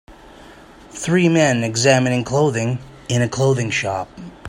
Three men examining clothing in a clothing shop.